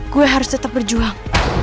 gue harus tetep berjuang